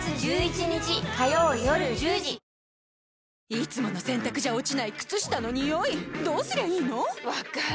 いつもの洗たくじゃ落ちない靴下のニオイどうすりゃいいの⁉分かる。